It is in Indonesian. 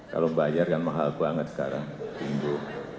kalau membayar kan mahal banget sekarang bimbo